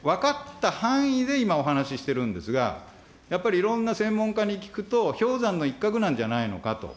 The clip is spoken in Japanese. これは、分かった範囲で今、お話してるんですが、やっぱりいろんな専門家に聞くと、氷山の一角なんじゃないのかと。